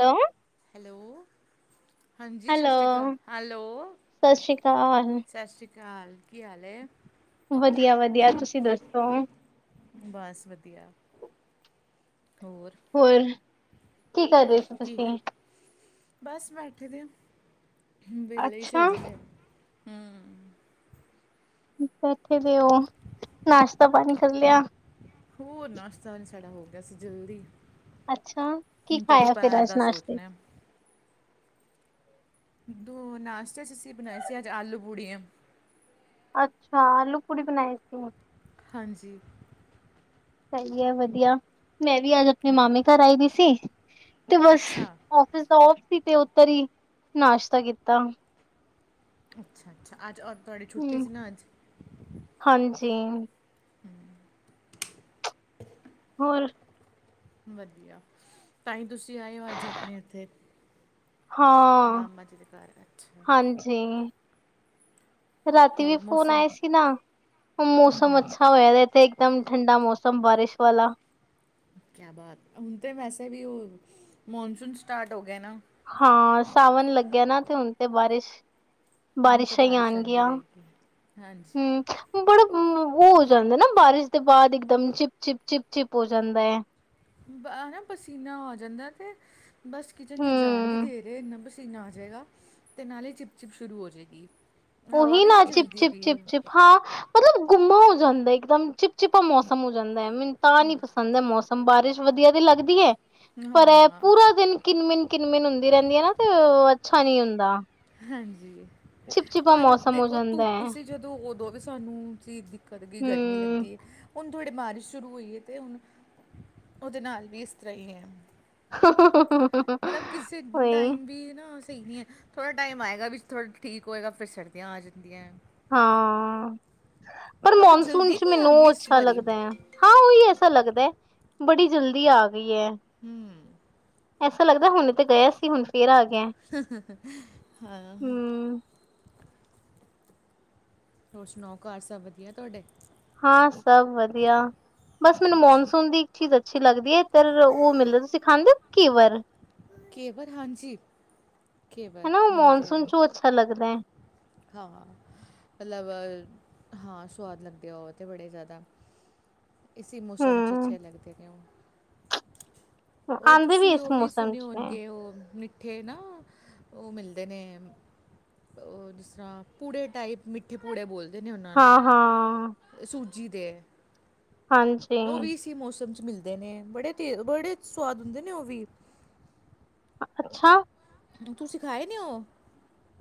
Hello hello ਹਾਂਜੀ। ਸਤਿ hello, ਸ਼੍ਰੀ ਅਕਾਲ। ਹੈਲੋ, ਸਤਿ ਸ੍ਰੀ ਅਕਾਲ। ਸਤਿ ਸ਼੍ਰੀ ਅਕਾਲ ਕਾਲ ਕੀ ਹਾਲ ਹੈ? ਵਧੀਆ-ਵਧੀਆ, ਤੁਸੀਂ ਦੱਸੋ? ਬਸ ਵਧੀਆ ਹੋਰ? ਹੋਰ ਕੀ ਕਰ ਰ? ਠੀਕ, ਬਸ ਬੈਠੇ ਦੇ ਆ। ਵਿਹਲੇ ਹੀ ਸੀ ਅੱਛਾ, ਹਜੈ ਤੇ ਹੂੰ। ਬੈਠੇ ਦੇ ਉਹ, ਨਾਸ਼ਤਾ ਪਾਣੀ ਕਰ ਲਿਆ। ਹੋਰ ਨਾਸ਼ਤਾ ਅਜ, ਸਾਡਾ ਹੋ ਗਿਆ ਸੀ। ਜਲਦੀ ਅੱਛਾ, ਕੀ ਹੁਣ ਤੇ, ਖਾਇਆ ਫਿਰ ਦੁਪਹਿਰ ਅੱਜ ਦਾ ਨਾਸ਼ਤੇ ਚ? ਸੋਚਣੇ ਆ। ਦੋ ਨਾਸ਼ਤੇ ਚ ਅਸੀਂ ਬਣਾਈ ਸੀ। ਅੱਜ ਆਲੂ- ਪੂੜੀਆਂ। ਅੱਛਾ। ਆਲੂ- ਪੂੜੀ ਬਣਾਈ ਸੀ। ਹਾਂਜੀ। ਹਾਂਜੀ, ਹੈ ਵਧੀਆ। ਮੈਂ ਵੀ, ਅੱਜ ਆਪਣੇ ਮਾਮੇ ਘਰ, ਆਈ ਦੀ ਸੀ। ਤੇ ਬਸ। ਅੱਛਾ ਅਜ ਸੌਫ ਸੀ। ਤੇ ਉੱਤੋ ਦੀ ਨਾਸ਼ਤਾ ਕੀਤਾ। ਅੱਛਾ-ਅੱਛਾ, ਅੱਜ ਔਰ, ਤੁਹਾਡੀ ਛੱਟੀ ਹੂੰ, ਸੀ ਨਾ। ਅੱਜ ਹਾਂਜੀ। [inaudible] ਹੋਰ? ਵਧੀਆ। ਤਾਂ ਹੀ, ਤੁਸੀਂ ਆਏ ਹੋ। ਅੱਜ ਆਪਣੇ ਇੱਥੇ, ਮਾਮਾ ਜੀ ਦੇ ਘਰ। ਅੱਛਾ। ਜੀ। ਰਾਤੀ ਵੀ ਹੋਰ ਫੋਨ ਮੌਸਮ ਆਏ ਸੀ ਨਾ ਮੌਸਮ ਅੱਛਾ ਹੋਇਆ ਇਹ ਤੇ ਇਕਦਮ ਠੰਡਾ ਮੌਸਮ ਬਾਰਿਸ਼ ਵਾਲਾ ਕਿਆ ਬਾਤ ਹੁਣ ਤੇ ਵੈਸੇ ਵੀ ਉਹ ਮੋਨਸੂਨ ਸਟਾਰਟ ਹੋ ਗਏ ਨਾ ਹਾਂ ਸਾਵਣ ਲੱਗਿਆ ਨਾ ਤੇ ਹੁਣ ਤੇ ਬਾਰਿਸ਼ ਹੁਣ ਤਾਂ ਬਾਰਿਸ਼ਾਂ ਹੀ ਬਾਰਿਸ਼ ਆਂਦੀ ਆਉਣਗੀਆਂ। ਰਹੇਗੀ ਹਾਂਜੀ ਹੂੰ। ਬੜਾ ਵੋ ਹੋ ਜਾਂਦਾ ਨਾ ਬਾਰਿਸ਼ ਦੇ ਬਾਅਦ ਇਕ ਦਮ ਚਿਪ-ਚਿਪ ਚਿਪ-ਚਿਪ ਹੋ ਜਾਂਦਾ ਹੈ ਹੈਨਾ ਪਸੀਨਾ ਆ ਜਾਂਦਾ ਤੇ ਬਸ ਕਿਚਨ ਜਾਣ ਦੀ ਹੂੰ ਦੇਰ ਏ ਚੀਨਾ ਆ ਜਾਵੇਗਾ ਤੇ ਨਾਲੇ ਹੀ ਚਿਪ-ਚਿਪ ਸ਼ੁਰੂ ਹੋ ਜਾਵੇਗੀ ਓਹੀ ਨਾ ਚਿਪ-ਚਿਪ ਚਿਪ-ਚਿਪ ਹਾਂ ਮਤਲਬ ਗੁੰਮਾ ਹੋ ਜਾਂਦਾ ਇੱਕਦਮ ਚਿਪ ਚਿਪਾ ਮੌਸਮ ਹੋ ਜਾਂਦਾ ਹੈ ਮੈਨੂੰ ਤਾਂ ਨਹੀ ਪਸੰਦ ਪੰਦ ਮੌਸਮ ਬਾਰਿਸ਼ ਵਧੀਆ ਦੀ ਲੱਗਦੀ ਹੈ ਹਾਂ ਪਰ ਹਾਂ ਪੂਰਾ ਦਿਨ ਕਿੰਨ ਮਿੰਨ-ਕਿੰਨ ਮਿੰਨ ਹੁੰਦੀ ਰਹਿੰਦੀ ਹੈ ਨਾ ਤੇ ਅੱਛਾ ਨੀ ਹੁੰਦਾ ਹਾਂਜੀ ਚਿਪ-ਚਿਪ ਪਰ ਦੇਖੋ ਧੁੱਪ ਸੀ ਜਦੋਂ ਉਦੋਂ ਵੀ ਸਾਨੂੰ ਸੀ ਦਿੱਕਤ ਗਈ ਗਰਮੀ ਹੂੰ। ਲੱਗਦੀ ਹੈ ਹੁਣ ਥੋੜ੍ਹੇ ਬਾਰਿਸ਼ ਸ਼ੁਰੂ ਹੋਏ ਅਤੇ ਹੁਣ ਉਹਦੇ ਨਾਲ ਵੀ ਇਸ ਤਰ੍ਹਾਂ ਹੀ ਹੈ [unintelligible] ਮਤਲਬ ਕਿਸੇ ਟਾਈਮ ਵੀ ਨਾ ਸਹੀ ਨਹੀਂ ਹੈ ਥੋੜਾ ਟਾਈਮ ਆਏਗਾ ਵਿੱਚ ਥੋੜਾ ਠੀਕ ਹੋਏਗਾ ਫਿਰ ਸਰਦੀਆਂ ਆ ਜਾਂਦੀਆਂ ਹਾਂ ਪਰ ਮਤਲਬ ਮੌਨਸੂਨ ਜਲਦੀ ਚ ਨਹੀਂ ਆ ਮੈਨੂੰ ਗਈ ਇਸ ਅੱਛਾ ਵਾਰੀ ਲੱਗਦਾ ਆ ਹਾਂ ਉਹੀ ਐਸਾ ਲੱਗਦਾ ਹੈ ਬੜੀ ਜਲਦੀ ਆ ਗਈ ਹੈ। ਹੂੰ ਐਸਾ ਲੱਗਦਾ ਹੁਣ ਤੇ ਗਿਆ ਸੀ ਹੁਣ ਫਿਰ ਆ ਗਿਆ ਹੂ ਹੋਰ ਸੁਣਾਓ ਘਰ ਸਭ ਵਧੀਆ ਤੁਹਾਡੇ ਹਾਂ ਸਭ ਵਧੀਆ ਬਸ ਹੁਣ ਮੌਨਸੂਨ ਦੀ ਚੀਜ਼ ਅੱਛੀ ਲੱਗਦੀ ਹੈ ਤੇ ਫਿਰ ਉਹ ਮਿਲਦਾ ਸਿਖਾਂਦੇ ਕੀ ਵਾਇਰ ਕੇਵਲ ਹਾਂਜੀ ਕੇਵਲ ਹਨਾ ਉਹ ਮਿਲਦੇ ਹੈ। ਮੌਨਸੂਨ ਚ ਉਹ ਅੱਛਾ ਲੱਗਦਾ ਹੈ। ਹਾਂ ਮਤਲਬ ਹਾਂ ਸਵਾਦ ਲੱਗਦੇ ਆ ਉਹ ਤੇ ਬੜੇ ਜ਼ਿਆਦਾ, ਇਸੀ ਮੌਸਮ 'ਚ ਹਮ ਅੱਛੇ ਲਗਦੇ ਨੇ ਉਹ, ਹੋਰ ਆਉਂਦੇ ਤੁਸੀਂ ਇਸ ਉਹ ਵੀ ਮੌਸਮ ਸੁਣੇ ਚ ਨੇ ਹੋਣਗੇ ਉਹ ਮਿੱਠੇ ਨਾ ਉਹ ਮਿਲਦੇ ਨੇ ਉਹ ਜਿਸ ਤਰ੍ਹਾਂ ਪੂੜੇ ਟਾਈਪ ਮਿੱਠੇ ਪੂੜੇ ਬੋਲਦੇ ਨੇ ਉਹਨਾਂ ਨੂੰ ਹਾਂ ਹਾਂ ਸੂਜੀ ਦੇ ਹਾਂਜੀ। ਉਹ ਵੀ ਇਸੀ ਮੌਸਮ 'ਚ ਮਿਲਦੇ ਨੇ ਬੜੇ ਤੇਜ ਬੜੇ ਸਵਾਦ ਹੁੰਦੇ ਨੇ ਉਹ ਵੀ ਅੱਛਾ। ਤੁਸੀਂ ਖਾਏ ਨੇ ਔ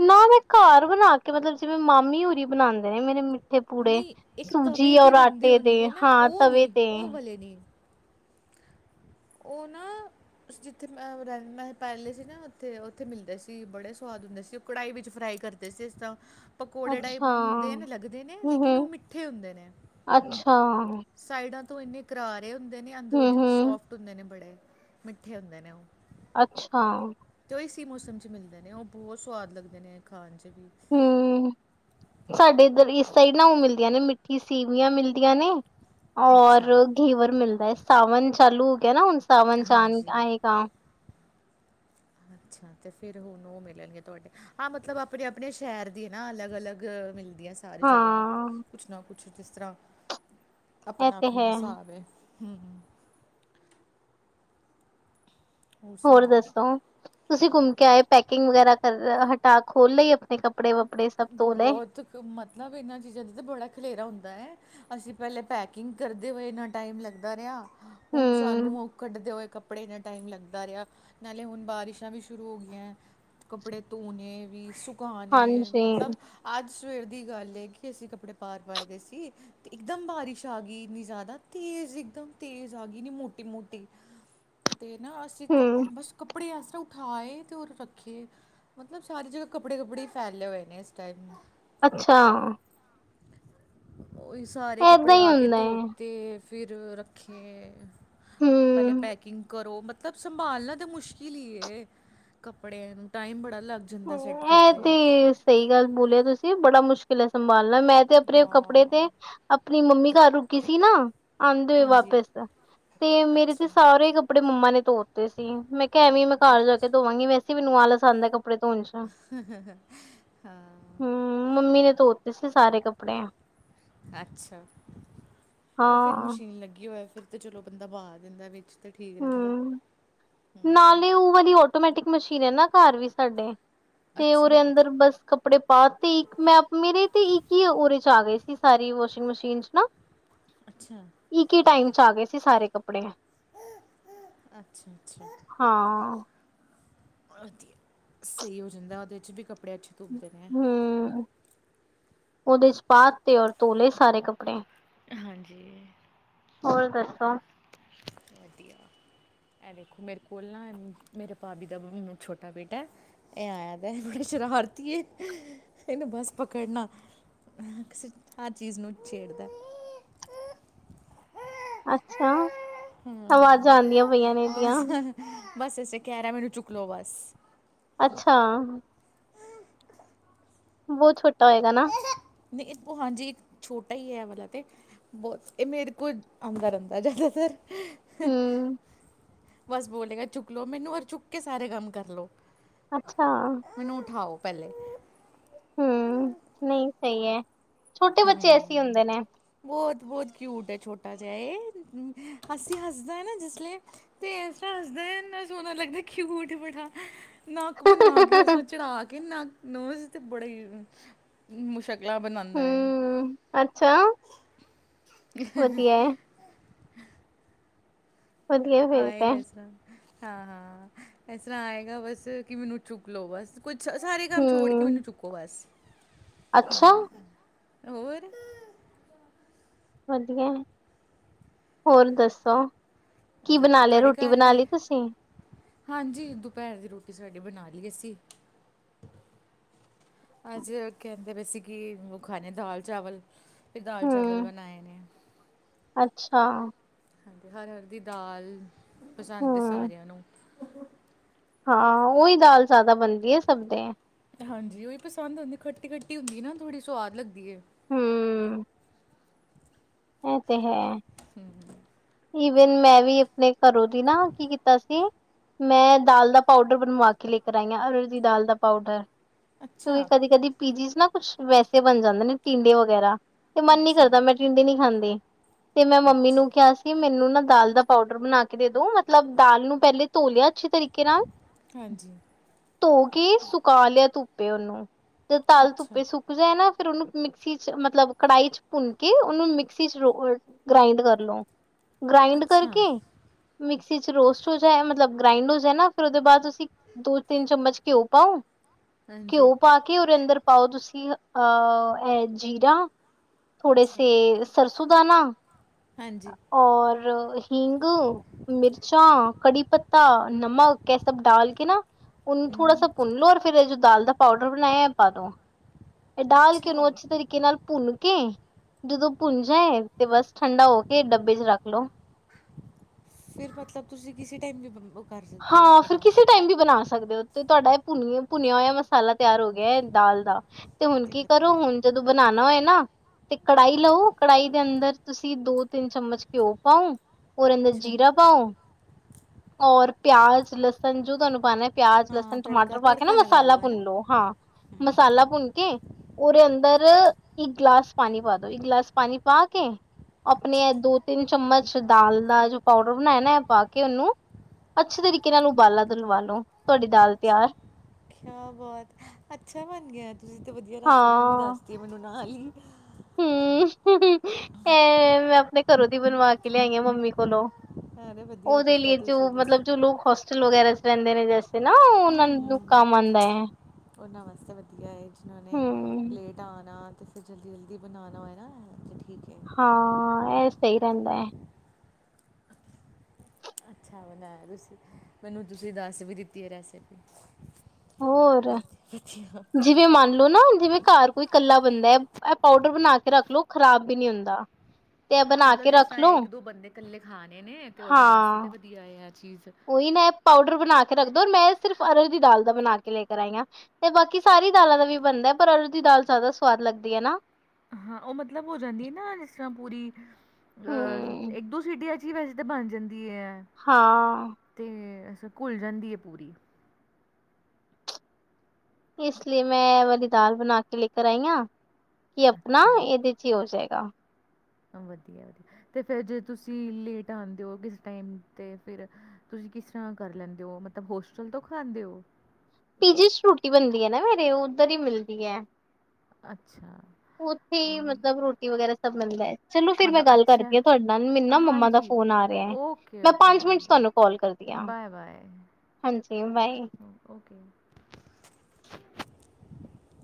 ਨਾ ਮੈਂ ਘਰ ਬਣਾ ਕੇ ਮਤਲਬ ਜਿਵੇਂ ਮਾਮੀ ਉਰੀ ਬਣਾਉਂਦੇ ਨੇ ਮੇਰੇ ਮੀਠੇ ਪੂੜੇ ਨਹੀਂ ਇੱਕ ਤਵੇ ਸੂਜੀ 'ਤੇ ਔਰ ਆਟੇ ਦੇ ਹਾਂ ਤਵੇ ਤੇ ਤੇ ਨਹੀਂ ਉਹ ਨਾ ਅਸੀਂ ਜਿੱਥੇ ਰਹਿੰਦੇ ਮੈਂ ਪਹਿਲੇ ਸੀ ਨਾ ਉੱਥੇ ਉੱਥੇ ਮਿਲਦੇ ਸੀ ਬੜੇ ਸਵਾਦ ਹੁੰਦੇ ਸੀ। ਉਹ ਕੜਾਹੀ ਵਿੱਚ ਫਰਾਈ ਕਰਦੇ [unintelligible] ਤਾਂ ਪਕੌੜੇ ਅੱਛਾ ਟਾਈਪ ਹੁੰਦੇ ਲੱਗਦੇ ਨੇ ਹਮ ਲੇਕਿਨ ਉਹ ਹਮ ਮਿੱਠੇ ਹੁੰਦੇ ਨੇ ਅੱਛਾ ਸਾਈਡਾਂ ਤੋਂ ਇੰਨੇ ਕਰਾਰੇ ਹੁੰਦੇ ਨੇ ਅੰਦਰੋਂ ਹਮ ਦੀ ਹਮ ਸੋਫਟ ਹੁੰਦੇ ਨੇ ਬੜੇ ਮਿੱਠੇ ਹੁੰਦੇ ਨੇ ਉਹ ਅੱਛਾ। ਤੇ ਉਹ ਇਸ ਮੌਸਮ 'ਚ ਮਿਲਦੇ ਨੇ ਉਹ ਬਹੁਤ ਸਵਾਦ ਲੱਗਦੇ ਨੇ ਖਾਣ 'ਚ ਵੀ ਹੂ,,, ਸਾਡੇ ਇੱਧਰ ਇਸ ਸਾਈਡ ਨਾ ਉਹ ਮਿਲਦੀਆਂ ਨੇ ਮਿੱਠੀ ਸੀਵੀਆਂ ਮਿਲਦੀਆਂ ਨੇ ਔਰ ਅੱਛਾ ਘੀਵਰ ਮਿਲਦਾ ਹੈ ਸਾਵਨ ਚਾਲੂ ਹੋ ਗਿਆ ਨਾ ਹੁਣ ਸਾਵਨ ਚਾਨ ਹਾਂਜੀ ਆਏਗਾ। ਅੱਛਾ ਤੇ ਫਿਰ ਹੁਣ ਉਹ ਮਿਲਣਗੇ ਤੁਹਾਡੇ ਆਹ ਮਤਲਬ ਆਪਣੇ ਆਪਣੇ ਸ਼ਹਿਰ ਦੀ ਨਾ ਅਲੱਗ, ਅਲੱਗ ਮਿਲ ਜ ਸਾਰੀ ਜਗਾ ਹਾਂ ਕੁਛ ਨਾ ਕੁਛ ਜਿਸ ਤਰ੍ਹਾਂ ਇਹ ਆਪਣਾ ਤੇ ਆਪਣਾ ਹੈ ਹਿਸਾਬ ਹੈ ਹੂ ਹੂ ਹੋਰ ਦੱਸੋ ਤੁਸੀਂ ਘੁੰਮ ਕੇ ਆਏ ਪੈਕਿੰਗ ਵਗੈਰਾ ਕਰ ਹਟਾ ਖੋਲ ਲਈ ਆਪਣੇ ਕੱਪ ਬਹੁਤ ਮਤਲਬ ਇਹਨਾਂ ਚੀਜ਼ਾਂ ਦਾ ਤਾਂ ਬੜਾ ਖਲੇਰਾ ਹੁੰਦਾ ਹੈ। ਅਸੀਂ ਪਹਿਲੇ ਪੈਕਿੰਗ ਕਰਦੇ ਹੋਏ ਇੰਨਾ ਟਾਈਮ ਲੱਗਦਾ ਰਿਹਾ ਹੁਣ ਹੂੰ, ਸਾਨੂੰ ਉਹ ਕੱਢਦੇ ਹੋਏ ਕੱਪੜੇ ਕੱਪੜੇ ਇੰਨਾ ਟਾਈਮ ਲੱਗਦਾ ਰਿਹਾ ਨਾਲੇ ਹੁਣ ਬਾਰਿਸ਼ਾਂ ਵੀ ਸ਼ੁਰੂ ਹੋ ਗਈਆਂ। ਕੱਪੜੇ ਧੋਣੇ ਵੀ ਸੁਖਾਣੇ ਹਾਂਜੀ ਮਤਲਬ ਅੱਜ ਸਵੇਰ ਦੀ ਗੱਲ ਹੈ ਕਿ ਅਸੀਂ ਕੱਪੜੇ ਪਾਰ ਪਾਏ ਦੇ ਸੀ ਤੇ ਇਕਦਮ ਬਾਰਿਸ਼ ਆ ਗਈ ਇੰਨੀ ਜ਼ਿਆਦਾ ਤੇਜ਼ ਇਕਦਮ ਤੇਜ਼ ਆ ਗਈ ਮੋਟੀ ਮੋਟੀ [unintelligible] [unintelligible] ਅਤੇ ਨਾ ਅਸੀਂ ਹੂੰ, ਕਪੜੇ ਬਸ ਕਪੜੇ ਇਸ ਖਾਏ ਅਤੇ ਉਹਰ ਰੱਖੇ ਮਤਲਬ ਸਾਰੀ ਜਗ੍ਹਾ ਕੱਪੜੇ, ਕੱਪੜੇ ਫੈਲੇ ਹੋਏ ਨੇ ਇਸ ਟਾਈਮ ਅੱਛਾ। ਉਹਹੀ ਸਾਰੇ ਏਦਾਂ ਕੱਪੜੇ ਹੀ ਆ ਕੇ ਹੁੰਦਾ ਹੈ ਧੋਤੇ ਫਿਰ ਰੱਖੇ ਪਹਿਲੇ ਹੂੰ। ਪੈਕਿੰਗ ਕਰੋ ਮਲ ਮਤਲਬ ਸੰਭਾਲਣਾ ਤਾਂ ਮੁਸ਼ਕਿਲ ਹੀ ਕੱਪੜਿਆਂ ਨੂੰ ਟਾਈਮ ਬੜਾ ਲੱਗਦਾ। ਏ ਤੇ ਸਈ ਗੱਲ ਬੋਲਿਆ ਤੁਸੀਂ, ਬੜਾ ਮੁਸ਼ਕਿਲ ਐ ਸੰਭਾਲਣ ਮੈਂ- ਤੇ ਅਪਣੇ ਕੱਪੜੇ, ਹਾਂ ਤੇ ਅਪਣੀ ਮੰਮੀ ਕਰ ਰੁਕੀ ਸੀ ਨਾ ਆਂਦੇ [unintelligible] ਹਾਂਜੀ ਵਾਪਿਸ। ਤੇ ਮੇਰੇ ਤੇ ਅੱਛਾ ਸਾਰੇ ਈ ਕੱਪੜੇ ਮੰਮਾ ਨੇ ਤੋਤੇ ਸੀ। ਮੈਂ ਕਿਆ, ਐਂਵੇ ਈ, ਮੈਂ ਘਰ ਜਾ ਕੇ ਅੱਛਾ ਧੋਵਾਂਗੀ ਵੈਸੇ। ਕੀ ਮੈਨੂੰ ਆਲਸ ਆਂਦਾ ਕੱਪੜੇ ਤੋਣ ਚ। ਹਾਂ। ਹੂੰ, ਮੰਮੀ ਨੇ ਤੋਤੇ ਸੀ। ਸਾਰੇ ਕੱਪੜੇ ਅੱਛਾ, ਔ ਫਿਰ ਹਾਂ ਮਸ਼ੀਨ ਲੱਗੀ ਹੋਅ ਫਿਰ? ਅਤੇ ਚਲੋ, ਬੰਦਾ ਬਾ ਦਿੰਦਾ ਵਿੱਚ, ਤੇ ਠੀਕ ਰੈਂਦਾ। ਹੂੰ। ਨਾਲੇ ਔ ਵਾਲੀ ਔਟੋਮੈਟਿਕ ਮਸ਼ੀਨ ਏ ਨਾ, ਕਰ ਵੀ ਸਾਡੇ। ਤੇ ਔਰੇ ਅੱਛਾ ਅੰਦਰ ਬੱਸ। ਕੱਪੜੇ ਪਾ, ਤੇ ਇੱਕ ਮੈਂ ਮੇਰੇ ਤੇ ਇੱਕ ਈ ਔਰੇ ਚ ਆ ਗਏ ਸੀ। ਸਾਰੀ ਵਾਸ਼ਿੰਗ ਮਸ਼ੀਨ ਚ ਨਾ। [inaudible] [unintelligible] ਅੱਛਾ। ਇੱਕ ਈ ਟਾਈਮ ਚ ਆ ਗੇ ਸੀ ਸਾਰੇ ਕੱਪੜੇ। ਅੱਛਾ ਅੱਛਾ। ਹਮ ਸਈ ਔ ਜਾਂਦਾ ਔਦੇ 'ਚ ਵੀ ਕੱਪੜੇ, ਅੱਛੇ। ਧੁੱਪਦੇ ਨੇ ਹੂੰ, ਔਦੇ ਚ ਪਾਤੇ ਔਰ ਤੋਲੇ ਸਾਰੇ ਕੱਪੜੇ। ਹਾਂਜੀ। ਹੋਰ ਦੱਸੋ। ਵਧੀਆ। ਏ ਦੇਖੋ, ਮੇਰੇ ਕੋਲ ਨਾ, ਮੇਰੇ ਪਾਬੀ ਦਾ ਛੋਟਾ ਬੇਟਾ। ਏ ਆਇਆ ਦਾ, ਬੜਾ ਸ਼ਰਾਰਤੀ ਏ। ਏਨੂੰ ਬਸ ਪਕੜਨਾ। ਕਿਸੇ ਹਰ ਚੀਜ਼ ਨੂੰ ਛੇੜਦਾ। ਹੈ। ਅੱਛਾ, ਆਵਾਜ਼ਾਂ ਹਾਂ ਆਂਦੀਆਂ ਪਈਆਂ ਨੇ ਇਨਂਦੀਆਂ। ਬਸ, ਆਹ [unintelligible] ਕੈ ਰਾ, ਮੈਨੂੰ ਚੁੱਕ ਲੋ, ਬਸ। ਅੱਛਾ। ਬੋਤ ਛੋਟਾ ਹੋਏਗਾ ਨਾ? [unintelligible] ਹਾਂਜੀ, ਛੋਟਾ ਈ ਏ, ਐ ਵਾਲਾ ਤੇ। ਬੋਤ ਏ ਮੇਰੇ ਕੋਲ ਆਉਂਦਾ ਰੈਂਦਾ, ਜਿਆਦਾਤਰ। ਹਮ ਬਸ ਬੋਲੇਗਾ, ਚੁੱਕ ਲੋ ਮੇਨੂੰ, ਔਰ ਚੁੱਕ ਕੇ ਸਾਰੇ ਕੰਮ ਕਰ ਲੋ। ਅੱਛਾ। ਮੈਨੂੰ ਉਠਾਔ ਪੈਲੇ। ਹੁੰ, ਨਈ, ਸਈ ਐ। ਛੋਟੇ ਬੱਚੇ ਐਸੇ ਈ ਹੁੰਦੇ ਨੇ। ਬੋਤ-ਬੋਤ ਕਿਊਟ ਏ, ਛੋਟਾ ਜਿਹਾ ਏ। ਅਸੀਂ ਹੱਸਦਾ ਅ ਨਾ ਜਿਸ ਲੀਏ ਤੇੱ ਏਸਰਾ ਹਸਦਾ, ਇੰਨਾ ਸੋਹਣਾ ਲੱਗਦਾ। ਕਿਯੁਟ ਬੜਾ, ਨੱਕ ਬਣਾ ਕੇ, ਸੋ ਚੜ੍ਹਾ ਕੇ ਨਕ ਨੋਜ਼ ਤੇ, ਬੜਾ ਈ ਮੁ ਸ਼ਕਲਾਂ ਬਣਾਂਦਾ ਏ। ਹਮ ਅੱਛਾ, ਵਧੀਆ ਏ। ਵਧੀਆ ਫਿਰ ਤੇ ਆਏਗਾ ਏਸ ਤਰਾਂ। ਹਾਂ-ਹਾਂ, ਏਸ ਤਰਾਂ ਆਏਗਾ ਬਸ ਕਿ, ਮਿਨੂੰ ਚੁੱਕ ਲੋ, ਬਸ। ਕੁਛ ਸਾਰੇ ਕੰਮ ਛੋੜ ਕੇ ਹਮ ਮਿਨੂੰ ਚੁੱਕੋ, ਬਸ। ਅੱਛਾ ਹਾਂ। ਹੋਰ। ਵਧੀਆ, ਹੋਰ ਦੱਸੋ। ਕੀ ਵਧੀਆ ਬਣਾ ਲੇਆ? ਤੁਹਾਡੇ ਰੋਟੀ ਘਰ ਬਣਾ ਵੀ ਲੀ ਤੁਸੀਂ? ਹਾਂਜੀ, ਦੁਪੈਰ ਦੀ ਰੋਟੀ ਸਾਡੀ ਬਣਾ ਲੀ ਅਸੀਂ। ਅੱਜ ਕੈਂਦੇ ਪੇ ਸੇ ਕਿ, ਔ ਖਾਣੇ ਦਾਲ ਚਾਵਲ। ਫਿਰ ਦਾਲ ਚਾਵਲ ਹੂੰ ਬਣਾਏ ਨੇ। ਅੱਛਾ! ਹਾਂਜੀ, ਹਰ ਹਰ ਦੀ ਦਾਲ ਪਸੰਦ ਏ ਹੂੰ ਸਾਰਿਆਂ ਨੂੰ। ਹਾਂ, ਔਈ ਦਾਲ ਜ਼ਾਦਾ ਬਣਦੀ ਏ ਸਭ ਦੇ- ਹਾਂਜੀ, ਔਈ ਪਸੰਦ ਹੁੰਦੀ। ਖੱਟੀ-ਖੱਟੀ ਏ ਹੁੰਦੀ ਨਾ, ਥੋੜ੍ਹੀ ਸਵਾਦ ਲੱਗਦੀ ਏ। ਹੁੰ। ਏ ਤੇ ਹੈ। ਹੂੰ। ਈਵਨ ਮੈਂ ਵੀ ਆਪਣੇ ਘਰੋਂ ਦੀ ਨਾ, ਕੀ ਕੀਤਾ ਸੀ? ਮੈਂ ਦਾਲ ਦਾ ਪਾਊਡਰ ਬਣਵਾ ਕੇ ਲੈ ਕਰ ਆਈ। ਹਾਂ ਅਰ ਹਰ ਦੀ ਦਾਲ ਦਾ ਪਾਊਡਰ। ਕਿਉਕਿ ਅੱਛਾ ਕਦੀ ਕਦੀ ਪੀਜੀ ਨਾ ਕੁਛ ਵੈਸੇ ਬਣ ਜਾਂਦੇ ਨੇ ਟੀਂਡੇ ਵਗੈਰਾ। ਤੇ ਮਨ ਨੀ ਅੱਛਾ ਕਰਦਾ ਮੈਂ ਟਿੰਡੇ ਨੀ ਖਾਂਦੀ ਤੇ ਮੈਂ ਮੰਮੀ ਨੂੰ ਅੱਛਾ ਕਿਹਾ ਸੀ ਮੈਨੂੰ ਨਾ ਦਾਲ ਦਾ ਪਾਊਡਰ ਬਣਾ ਕੇ ਦੇ ਦੋ ਮਤਲਬ ਦਾਲ ਨੂੰ ਪਹਿਲੇ ਧੋਲਿਆ ਅੱਛੇ ਤਰੀਕੇ ਨਾਲ ਹਾਂਜੀ ਧੋ ਕੇ ਸੁਕਾ ਲਿਆ ਧੁੱਪੇ ਉਹਨੂੰ ਜਦੋਂ ਤਾਲ ਅੱਛਾ ਧੁੱਪੇ ਸੁੱਕ ਜਾਏ ਨਾ ਫਿਰ ਉਹਨੂੰ ਮਿਕਸੀ 'ਚ ਮਤਲਬ ਕੜਾਹੀ 'ਚ ਭੁੰਨ ਕੇ ਉਹਨੂੰ ਮ। ਮਿੱਕਸੀ ਚ ਰ ਗ੍ਰਾਇੰਡ ਕਰ ਲਓ ਗ੍ਰਾਇੰਡ ਅੱਛਾ। ਕਰਕੇ। ਮਿਕਸੀ 'ਚ ਰੋਸਟ ਹੋ ਜਾਏ ਮਤਲਬ ਗ੍ਰਾਈੰਡ ਹੋ ਜਾਏ ਨਾ ਫਿਰ ਉਹਦੇ ਬਾਅਦ ਅਸੀਂ ਦੋ ਤਿੰਨ ਚਮਚ ਘਿਓ ਪਾਓ ਹਾਂਜੀ। ਘਿਓ ਪਾ ਕੇ ਉਹਦੇ ਅੰਦਰ ਪਾਓ ਤੁਸੀਂ ਅ ਇਹ ਜੀਰਾ ਥੋੜੇ ਅੱਛਾ, ਸੇ ਸਰਸੋਂ ਦਾਨਾ ਹਾਂਜੀ। ਔਰ ਹਿੰਗ ਮਿਰਚਾਂ, ਕੜੀ ਪੱਤਾ, ਨਮਕ ਇਹ ਸਭ ਡਾਲ ਕੇ ਨਾ ਓਨੂੰ ਥੋੜਾ ਸਾ ਹੂੰ। ਭੁੰਨ ਲੋ ਫਿਰ ਜੋ ਦਾਲ ਦਾ ਪਾਊਡਰ ਬਣਾਇਆ ਪਾ ਦੋ ਇਹ ਡਾਲ ਕੇ ਉਹਨੂੰ ਅੱਛਾ, ਅੱਛੀ ਤਰੀਕੇ ਕੇ ਨਾਲ ਭੁੰਨ ਕੇ ਜਦੋਂ ਭੁੰਨ ਜਾਏ ਤੇ ਬਸ ਠੰਡਾ ਹੋ ਕੇ ਡੱਬੇ 'ਚ ਰੱਖ ਲੋੋ ਫਿਰ ਮਤਲਬ ਤੁਸੀਂ ਕਿਸੇ ਟਾਈਮ ਦੀ ਹਾਂ ਫਿਰ ਕਿਸੇ ਟਾਈਮ ਵੀ ਬਣਾ ਸਕਦੇ ਹੋ। ਤੇ ਤੁਹਾਡਾ ਇਹ ਪੁਨੀ ਭੁੰਨਿਆ ਹੋਇਆ ਮਸਾਲਾ ਤਿਆਰ ਹੋ ਗਿਆ ਦਾਲ ਦਾ ਤੇ ਹੁਣ ਕੀ ਕਰੋ ਵਧੀਆ, ਹੈ। ਹੁਣ ਜਦੋਂ ਬਣਾਉਣਾ ਹੋਏ ਨਾ ਤੇ ਕੜਾਹੀ ਲਓ ਕੜਾਹੀ ਦੇ ਅੰਦਰ ਤੁਸੀਂ ਦੋ ਤਿੰਨ ਚਮਚ ਘਿਓ ਪਾਓ ਉਹਰ ਅੰਦਰ ਅੱਛਾ। ਜੀਰਾ ਪਾਓ ਔਰ ਪਿਆਜ, ਲਸਣ ਜੋ ਤੁਹਾਨੂੰ ਪਾਣਾ ਪਿਆਜ ਹਾਂ, ਲਸਣ ਟਮਾਟਰ ਪਾ ਕੇ ਨਾ ਤੜਕਾ-ਤੜਕਾ ਲਗਾ ਮਸਾਲਾ ਲਓ, ਹੈ ਭੁੰਨ ਨਾ? ਲੋ ਹਾਂ ਮਸਾਲਾ ਭੁੰਨ ਕੇ ਉਹਰੇ ਅੰਦਰ ਇੱਕ ਗਲਾਸ ਪਾਣੀ ਪਾ ਦੋ। ਇੱਕ ਗਲਾਸ ਪਾਣੀ ਪਾ ਕੇ ਆਪਣੇ ਅੱਛਾ, ਦੋ ਤਿੰਨ ਚਮਚ ਦਾਲ ਦਾ ਜੋ ਪਾਊਡਰ ਬਣਾਇਆ ਨਾ ਪਾ ਕੇ ਉਹਨੂੰ ਅੱਛੇ ਤਰੀਕੇ ਨਾਲ ਉਬਾਲਾ ਦਿਲਵਾ ਲੋ ਤੁਹਾਡੀ ਦਾਲ ਤਿਆਰ ਕਿਆ ਬਾਤ! ਅੱਛਾ ਬਣ ਗਿਆ, ਤੁਸੀਂ ਤਾਂ ਵਧੀਆ ਰੈਸਪੀ ਵੀ ਹਾਂ। ਦੱਸਦੀ ਮੈਨੂੰ ਨਾਲ ਹੀ। ਹੂੰ। ਮੈਂ ਆਪਣੇ ਘਰੋਂ ਦੀ ਬਣਵਾ ਕੇ ਲਿਆਈ ਆ ਮੰਮੀ ਕੋਲੋਂ। ਅਰੇ ਵਧੀਆ ਉਹਦੇ ਕੀਤਾ ਲਈ ਜੋ ਤੁਸੀਂ ਤੇ, ਮਤਲਬ ਜੋ ਲੋਕ ਹਸ ਲ ਵਗੈਰਾ ਲਹਿੰਦੇ ਨੇ ਜੈਸੇ ਨਾ ਉਹਨਾਂ ਹੂੰ-ਹੂੰ। ਨੂੰ ਕੰਮ ਆਉਦਾ ਹੈ। ਉਹਨਾਂ ਵਾਸਤੇ ਵਧੀਆ ਹੈ, ਜਿਨ੍ਹਾਂ ਨੇ ਹੂੰ। ਲੇਟ ਟਾਣਾ ਅਤੇ ਫਿਰ ਜਲਦੀ ਜਲਦੀ ਬਣਾਉਣਾ ਹੋਏ, ਨਾ ਅਤੇ ਠੀਕ ਹੈ। ਹਾਂ, ਇਹ ਸਹੀ ਰਹਿੰਦਾ। ਅੱਛਾ ਬਣਾਇਆ, ਤੁਸੀਂ ਮੈਨੂੰ ਤੁਸੀਂ ਦੱਸ ਵੀ ਦਿੱਤੀ ਹੈ, ਰੈਸਪੀ ਹੋਰ [unintelligible] ਜਿਵੇਂ ਮੰਨਲਓ ਨਾ ਜਿਵੇਂ ਘਰ ਕੋਈ ਕੱਲਾ ਬੰਦਾ ਇਹ ਪਾਊਡਰ ਬਣਾ ਕੇ ਰੱਖ ਲੋੋ ਖ਼ਰਾਬ ਵੀ ਨਹੀ ਹੁੰਦਾ ਤੇ ਇਹ ਹਾਂ ਬਣਾ ਮਤਲਬ, ਕੇ ਜਿਸ ਰੱਖ ਤਰ੍ਹਾਂ ਲੋ ਇੱਕ ਦੋ ਬੰਦੇ ਇਕੱਲੇ ਖਾਣੇ ਨੇ ਤੇ ਉਹਨਾਂ ਵਾਸਤੇ ਤਾਂ ਹਾਂ ਵਧੀਆ ਹੈ, ਆ ਚੀਜ਼ ਉਹੀ ਨਾ ਪਾਊਡਰ ਬਣਾ ਕੇ ਰੱਖਦਾ, ਔਰ ਮੈਂ ਸਿਰਫ਼ ਅਰਅਰ ਦੀ ਦਾਲ ਦਾ ਬਣਾ ਕੇ ਲੈ ਕਰ ਆਈ ਹਾਂ। ਤੇ ਬਾਕੀ ਸਾਰੀ ਦਾਲਾਂ ਦਾ ਵੀ ਬਣਦਾ, ਪਰ ਅਰਅਰ ਦੀ ਦਾਲ ਜ਼ਿਆਦਾ ਸਵਾਦ ਲੱਗਦੀ ਹੈ ਨਾ। ਹਾਂ ਉਹ ਮਤਲਬ ਹੋ ਜਾਂਦੀ ਨਾ, ਜਿਸ ਤਰ੍ਹਾਂ ਪੂਰੀ ਅਹ ਹਮ ਇੱਕ ਦੋ ਸੀ ਡ ਵੈਜ ਤਾਂ ਬਣ ਜਾਂਦੀ ਹੈ। ਹਾਂ। ਅਤੇ ਅ ਘੁੱਲ ਜਾਂਦੀ ਹੈ ਪੂਰੀ। ਇਸ ਲਈ ਮੈਂ ਵਾਲੀ ਦਾਲ ਬਣਾ ਕੇ ਲੈਕ ਆਈ ਹਾਂ, ਕਿ ਆਪਣਾ ਅੱਛਾ ਇਹਦੇ ਐਥੀ ਹੋ ਜਾਏਗਾ। ਵਧੀਆ, ਵਧੀਆ, ਤੇ ਫਿਰ ਜੇ ਤੁਸੀਂ ਲੇਟ ਆਉਂਦੇ ਹੋ ਕਿਸ ਟਾਈਮ ਤੇ ਫਿਰ ਤੁਸੀਂ ਕਿਸ ਤਰ੍ਹਾਂ ਕਰ ਲੈਂਦੇ ਹੋ, ਮਤਲਬ ਹੋਸਟਲ ਤੋਂ ਖਾਂਦੇ ਹੋ। ਪੀਜੀੇ ਚ ਰੋਟੀ ਬਣਦੀ ਹੈ ਨਾ, ਮੇਰੇ ਉਹ ਉੱਧਰ ਹੀ ਮਿਲਦੀ ਹੈ। ਅੱਛਾ। ਉੱਥੇ ਹੀ ਮਤਲਬ ਰੋਟੀ ਵਗੈਰਾ ਸਭ ਮਿਲਦਾ ਹੈ। ਚਲੋ ਫੇਰ ਮੈਂ ਮਤਲਬ ਗੱਲ ਅੱਛਾ ਕਰਦੀ ਹਾਂ, ਤੁਹਾਡੇ ਨਾਲ ਮੈਨੂੰ ਨਾ ਮੰਮਾ ਦਾ ਹਾਂਜੀ ਫੋਨ ਆ ਰਿਹਾ ਹੈ, ਓਕੇ ਮੈਂ ਓਕੇ ਪੰਜ ਬਾਏ ਮਿੰਟ ਚ ਤੁਹਾਨੂੰ ਬਾਏ ਕਾਲ ਕਰ ਬਾਏ, ਬਾਏ, ਹਾਂਜੀ ਬਾਈ, ਓਕੇ,